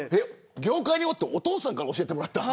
業界にいてお父さんから教えてもらったの。